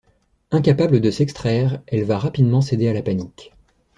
Incapable de s'extraire elle va rapidement céder à la panique.